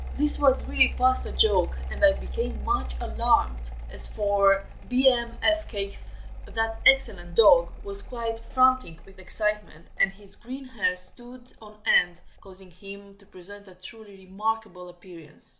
This was really past a joke, and I became much alarmed. As for Bmfkgth, that excellent dog was quite frantic with excitement, and his green hair stood on end, causing him to present a truly remarkable appearance.